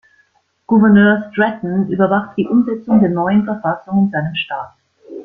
Gouverneur Stratton überwachte die Umsetzung der neuen Verfassung in seinem Staat.